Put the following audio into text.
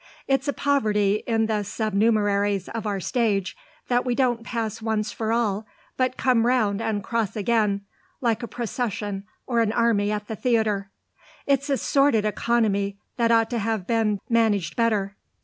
"It's a poverty in the supernumeraries of our stage that we don't pass once for all, but come round and cross again like a procession or an army at the theatre. It's a sordid economy that ought to have been managed better.